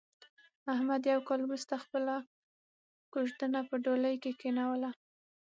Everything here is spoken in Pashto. احمد یو کال ورسته خپله کوزدنه په ډولۍ کې کېنوله.